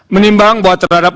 menimbang buat terhadap